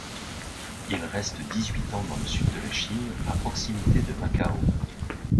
Il reste dix-huit ans dans le sud de la Chine, à proximité de Macao.